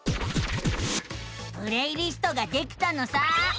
プレイリストができたのさあ。